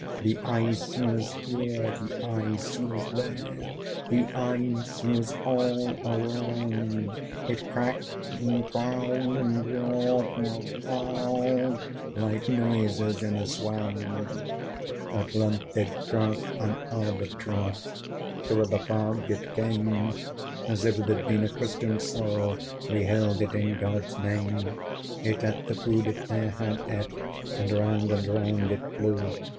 The ice was here, the ice was there, The ice was all around: It cracked and growled, and roared and howled, Like noises in a swound! At length did cross an Albatross: Thorough the fog it came; As if it had been a Christian soul, We hailed it in God's name. It ate the food it ne'er had eat, And round and round it flew.